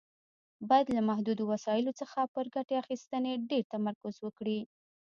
باید له محدودو وسایلو څخه پر ګټې اخیستنې ډېر تمرکز وکړي.